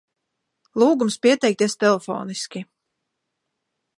Lūgums pieteikties telefoniski!